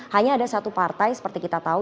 hanya ada satu partai seperti kita tahu